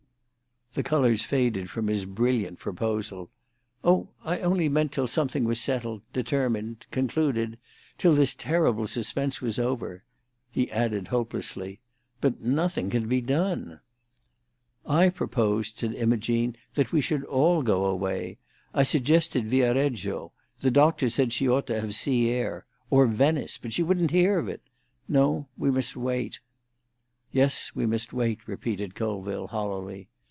The colours faded from his brilliant proposal. "Oh, I only meant till something was settled—determined—concluded; till this terrible suspense was over." He added hopelessly, "But nothing can be done!" "I proposed," said Imogene, "that we should all go away. I suggested Via Reggio—the doctor said she ought to have sea air—or Venice; but she wouldn't hear of it. No; we must wait." "Yes, we must wait," repeated Colville hollowly.